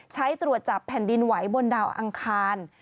ใช้ตรวจจับแผ่นดินไหวบนดาวอังคาร